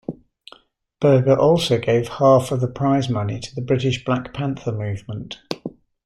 Berger also gave half of the prize money to the British Black Panther movement.